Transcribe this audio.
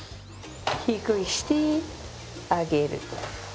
低くして上げる。